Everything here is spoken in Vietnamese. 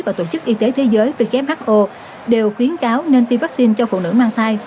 và tổ chức y tế thế giới who đều khuyến cáo nên tiêm vaccine cho phụ nữ mang thai